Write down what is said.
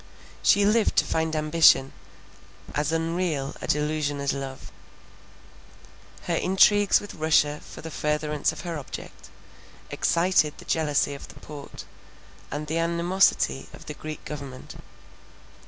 She lived to find ambition, as unreal a delusion as love. Her intrigues with Russia for the furtherance of her object, excited the jealousy of the Porte, and the animosity of the Greek government.